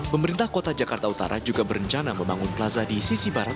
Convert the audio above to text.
pemerintah kota jakarta utara juga berencana membangun plaza di sisi barat